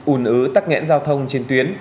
ùn ứ tắc nghẽn giao thông trên tuyến